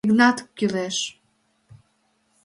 Йыгнат кӱлеш.